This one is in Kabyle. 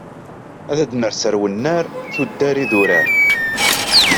Ad d-ners ar wannar, tuddar idurar.